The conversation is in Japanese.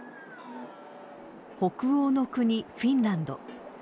北欧の国・フィンランド。